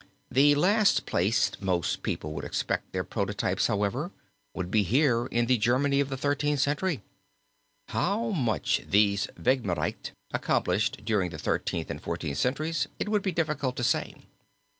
The last place most people would expect their prototypes, however, would be here in the Germany of the Thirteenth Century. How much these Vehmgerichte accomplished during the Thirteenth and Fourteenth centuries it would be difficult to say.